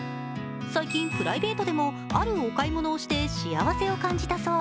最近、プライベートでもあるお買い物をして幸せを感じたそう。